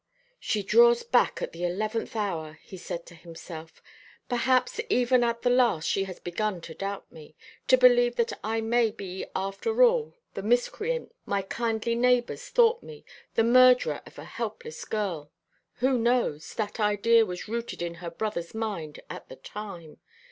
"She draws back at the eleventh hour," he said to himself. "Perhaps even at the last she has begun to doubt me to believe that I may be after all the miscreant my kindly neighbours thought me, the murderer of a helpless girl. Who knows? That idea was rooted in her brother's mind at the time.